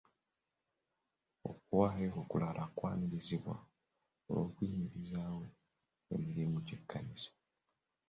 Okuwaayo okulala kwanirizibwa olw'okuyimirizaawo emirimu gy'ekkanisa.